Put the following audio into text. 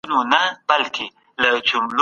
خپل ورېښتان په ښه ډول سره ږمنځ کړئ.